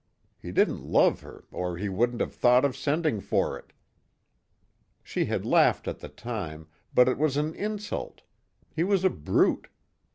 He didn't love her or he wouldn't have thought of sending for it. She had laughed at the time but it was an insult. He was a brute.